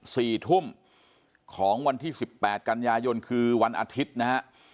สี่ทุ่มของวันที่สิบแปดกันยายนคือวันอาทิตย์นะฮะ